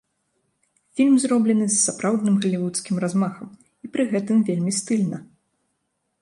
Фільм зроблены з сапраўдным галівудскім размахам і пры гэтым вельмі стыльна.